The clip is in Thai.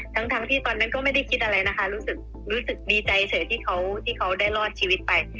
ทั้งที่ตอนนั้นก็ไม่ได้คิดอะไรนะคะรู้สึกดีใจเฉยที่เขาได้รอดชีวิตไป